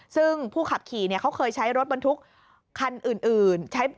ซึ่งผู้ขับขี่เขาเคยใช้รถบรรทุกคันอื่น